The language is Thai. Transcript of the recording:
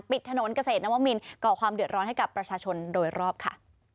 ถนนเกษตรนวมินก่อความเดือดร้อนให้กับประชาชนโดยรอบค่ะ